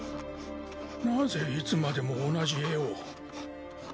なぜいつまでも同じ絵を？